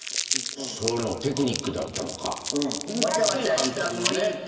それもテクニックだったのか監督のね。